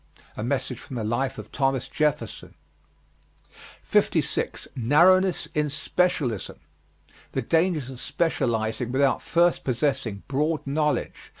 A message from the life of Thomas Jefferson. 56. NARROWNESS IN SPECIALISM. The dangers of specializing without first possessing broad knowledge.